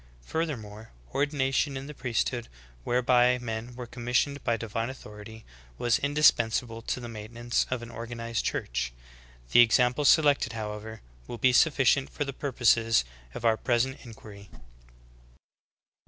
^ Furthermore, ordination in the priesthood, whereby men were commissioned by divine authority, was indispensable to the maintenance of an organized Church. The examples selected, however, will be sufficient for the purposes of our present inquiry.